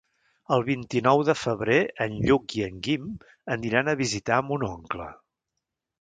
El vint-i-nou de febrer en Lluc i en Guim aniran a visitar mon oncle.